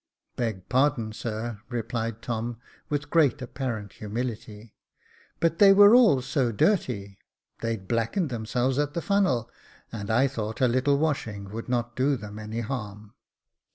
" Beg pardon, sir," replied Tom, with great apparent humility, "but they were all so dirty — they'd blacked themselves at the funnel, and I thought a little washing would not do them any harm."